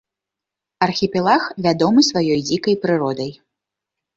Архіпелаг вядомы сваёй дзікай прыродай.